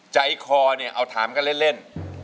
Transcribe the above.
ใจคอเอาถามกันเล่น